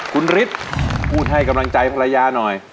คุณฤทธิ์พูดให้กำลังใจภรรยาหน่อย